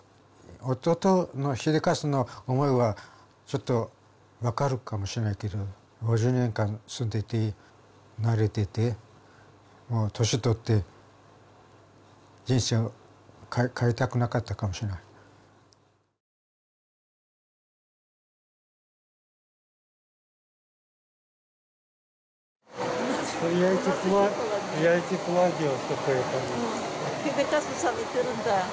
弟の英捷の思いはちょっと分かるかもしれないけど５０年間住んでいて慣れててもう年とって人生を変えたくなかったかもしれない英捷さ見てるんだ